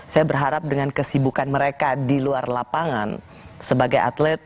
saya berharap dengan kesibukan mereka di luar lapangan sebagai atlet